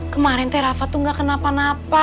kemarin tte rafa tuh nggak kenapa napa